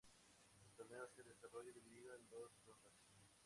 El torneo se desarrolla dividido en dos rondas.